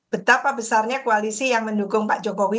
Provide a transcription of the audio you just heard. betapa besarnya koalisi yang mendukung pak jokowi